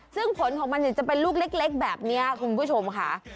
ซึ่งผลของมันจะเป็นลูกเล็กแบบนี้คุณผู้ชมค่ะ